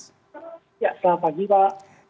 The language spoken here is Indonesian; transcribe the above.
ya selamat pagi pak